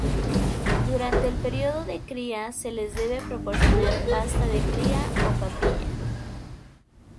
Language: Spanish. Durante el periodo de cría se les debe proporcionar pasta de cría o papilla.